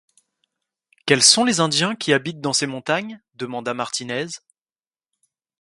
Quels sont les Indiens qui habitent dans ces montagnes ? demanda Martinez.